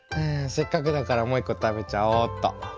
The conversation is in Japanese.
せっかくだからもう一個食べちゃおうっと。